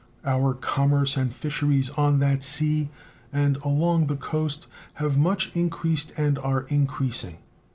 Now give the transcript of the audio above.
Our commerce and fisheries on that sea and along the coast have much increased and are increasing.